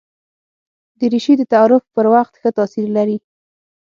دریشي د تعارف پر وخت ښه تاثیر لري.